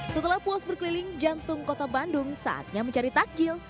setelah puas berkeliling jantung kota bandung saatnya mencari takjil